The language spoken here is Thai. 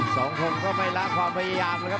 สองผมก็ไม่รักความพยายามล่ะครับ